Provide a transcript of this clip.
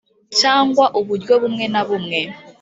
cyangwa uburyo bumwe na bumwe